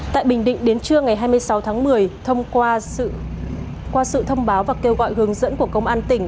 tại bình định đến trưa ngày hai mươi sáu tháng một mươi thông qua sự thông báo và kêu gọi hướng dẫn của công an tỉnh